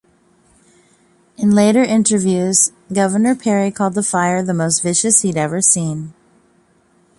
In later interviews, Governor Perry called the fire "the most vicious" he'd ever seen.